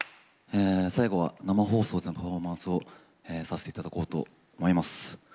最後は生放送でのパフォーマンスをさせていただこうと思います。